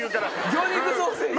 魚肉ソーセージや！